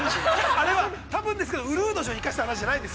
◆あれは多分ですけれども、うるう年を生かした話じゃない。